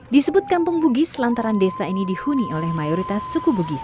disebut kampung bugis lantaran desa ini dihuni oleh mayoritas suku bugis